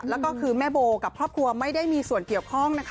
แล้วก็คือแม่โบกับครอบครัวไม่ได้มีส่วนเกี่ยวข้องนะคะ